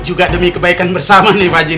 ini juga demi kebaikan bersama nih pak haji